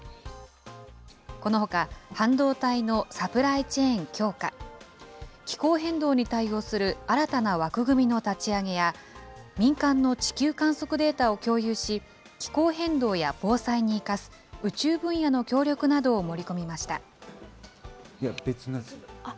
このほか、半導体のサプライチェーン強化、気候変動に対応する新たな枠組みの立ち上げや、民間の地球観測データを共有し、気候変動や防災に生かす、宇宙分野の協力などを盛り込みました。